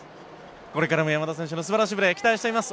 これからも山田選手の素晴らしいプレー期待しています。